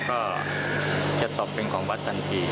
ก็จะตกเป็นของวัดทันที